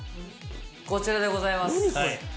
こちらでございます。